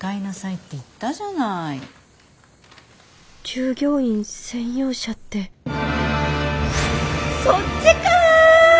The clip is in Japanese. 従業員専用車ってそっちか！